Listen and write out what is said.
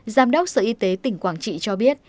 giám đốc sở y tế tỉnh quảng trị cho biết